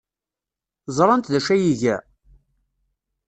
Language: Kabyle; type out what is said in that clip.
Ẓrant d acu ay iga?